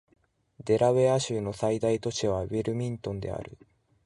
デラウェア州の最大都市はウィルミントンである